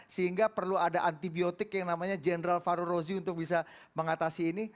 sehingga perlu ada antibiotik yang namanya general farul rozi untuk bisa mengatasi ini